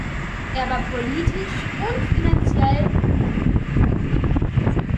Er war politisch und finanziell ruiniert.